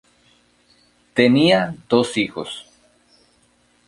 Tenía dos hijos.